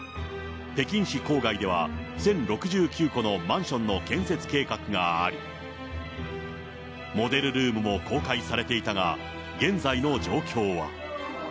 北京市郊外では、１０６９戸のマンションの建設計画があり、モデルルームも公開されていたが、現在の状況は。